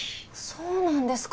そうなんですか？